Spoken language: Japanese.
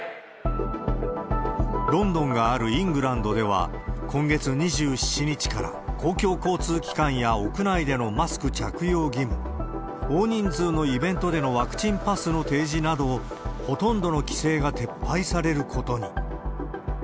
ロンドンがあるイングランドでは、今月２７日から、公共交通機関や屋内でのマスク着用義務、大人数のイベントでのワクチンパスの提示など、ほとんどの規制が撤廃されることに。